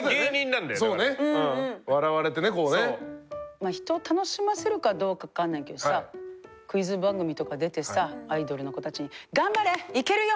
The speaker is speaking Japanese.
まあ人を楽しませるかどうか分かんないけどさクイズ番組とか出てさアイドルの子たちに「頑張れ！いけるよ！